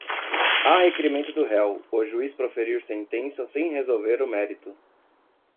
a requerimento do réu, o juiz proferir sentença sem resolver o mérito